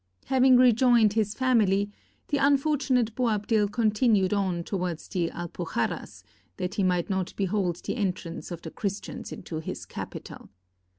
Having rejoined his family, the unfortunate Boabdil continued on towards the Alpuxarras, that he might not behold the entrance of the Christians into his capital.